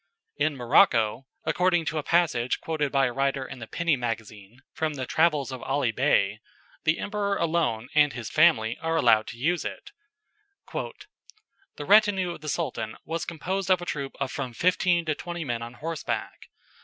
In Morocco, according to a passage quoted by a writer in the Penny Magazine from the Travels of Ali Bey, the emperor alone and his family are allowed to use it. "The retinue of the Sultan was composed of a troop of from fifteen to twenty men on horseback.